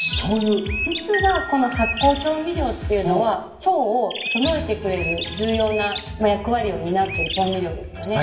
実はこの発酵調味料っていうのは腸を整えてくれる重要な役割を担ってる調味料ですよね。